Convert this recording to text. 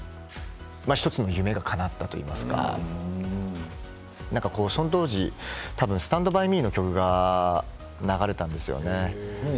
１つの夢がかなったといいますかその当時たぶん「スタンド・バイ・ミー」の曲が流れたんですよね。